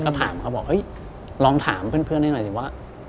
ก็ถามเขาบอกเฮ้ยลองถามเพื่อนให้หน่อยสิว่า